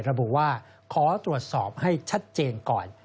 ระบุว่าขอตรวจสอบให้ชัดเจนก่อน